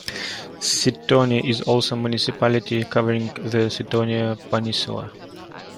Sithonia is also a municipality, covering the Sithonia peninsula.